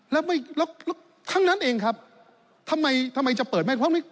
แล้วทั้งนั้นเองครับทำไมจะเปิดไม่ได้